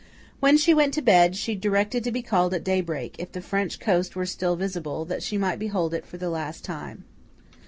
When she went to bed, she directed to be called at daybreak, if the French coast were still visible, that she might behold it for the last time.